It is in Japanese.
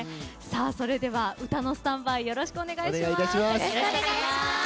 それでは歌のスタンバイよろしくお願いします。